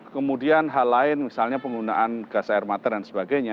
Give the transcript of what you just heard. kemudian hal lain misalnya penggunaan gas air mata dan sebagainya